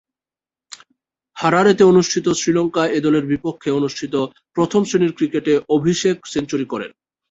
হারারেতে অনুষ্ঠিত শ্রীলঙ্কা এ-দলের বিপক্ষে অনুষ্ঠিত প্রথম-শ্রেণীর ক্রিকেটে অভিষেক সেঞ্চুরি করেন।